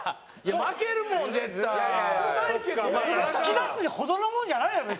引き出すほどのものじゃないよ別に。